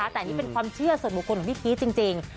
แต่อันนี้เป็นความเชื่อส่วนบุคคลของพี่พีชจริง